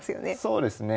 そうですね。